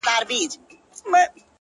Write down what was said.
گراني بس څو ورځي لاصبر وكړه;